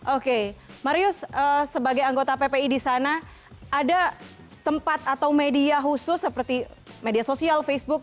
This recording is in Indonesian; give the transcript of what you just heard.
oke marius sebagai anggota ppi di sana ada tempat atau media khusus seperti media sosial facebook